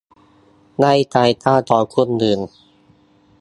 ในสายตาของคนอื่น